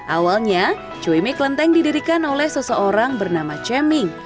awalnya cui mie klenteng didirikan oleh seseorang bernama cem ming